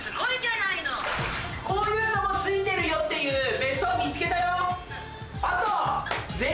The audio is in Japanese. こういうのも付いてるよっていう別荘見つけたよ。